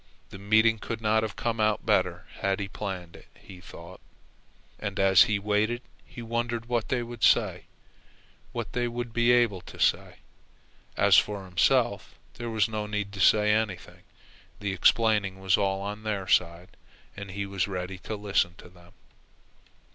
The meeting could not have come about better had it been planned, he thought. And as he waited he wondered what they would say, what they would be able to say. As for himself there was no need to say anything. The explaining was all on their side, and he was ready to listen to them.